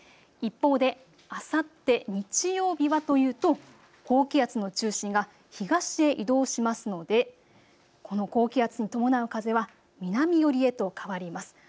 一方で、あさって日曜日はというと高気圧の中心が東へ移動しますのでこの高気圧に伴う風は南寄りへと変わります。